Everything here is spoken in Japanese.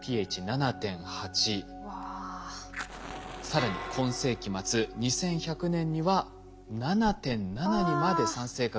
更に今世紀末２１００年には７．７にまで酸性化が進む。